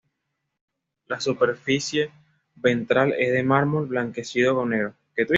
Su superficie ventral es de mármol blanquecino con negro.